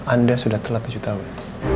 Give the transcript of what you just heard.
anda sudah telat tujuh tahun